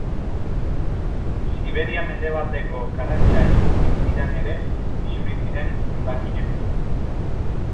Siberia mendebaldeko Karatxai aintziran ere isuri ziren hondakinak.